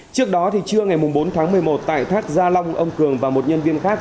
trước đó trưa ngày bốn tháng một mươi một tại thác gia long ông cường và một nhân viên khác